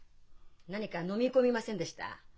何か飲み込みませんでした？